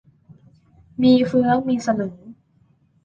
มีเฟื้องมีสลึง